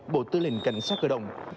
bộ tư lệnh cảnh sát cơ động